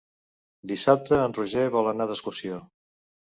Dissabte en Roger vol anar d'excursió.